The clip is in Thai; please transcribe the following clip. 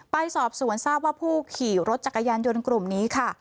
ไปสอบสวนทราบว่าผู้ขี่รถจักรยานยนต์กลุ่มนี้ค่ะ